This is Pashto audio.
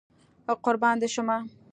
قربان دي شمه